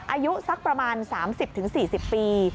อายุสักประมาณ๓๐๔๐ปี